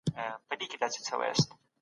په بېلابېلو دندو وګومارل شو.